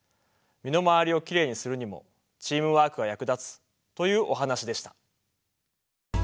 身の回りをきれいにするにもチームワークが役立つというお話でした。